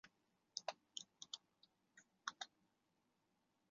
此处读若重唇是古音的保留。